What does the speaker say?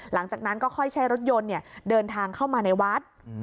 หลังจากนั้นก็ค่อยใช้รถยนต์เดินทางเข้ามาในวัด